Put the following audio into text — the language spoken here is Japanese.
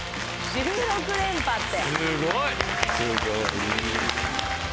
１６連覇って！